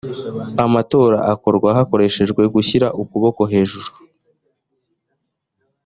amatora akorwa hakoreshwa gushyira ukuboko hejuru